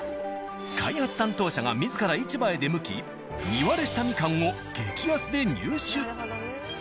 開発担当者が自ら市場へ出向き身割れしたみかんを激安で入手。